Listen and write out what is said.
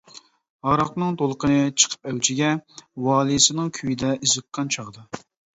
ھاراقنىڭ دولقۇنى چىقىپ ئەۋجىگە، ۋالىسنىڭ كۈيىدە ئېزىققان چاغدا.